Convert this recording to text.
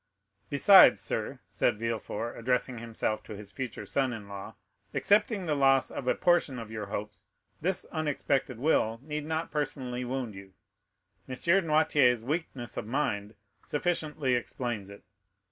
"Besides, sir," said Villefort, addressing himself to his future son in law, "excepting the loss of a portion of your hopes, this unexpected will need not personally wound you; M. Noirtier's weakness of mind sufficiently explains it.